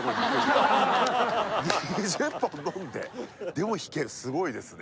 でも弾けるすごいですね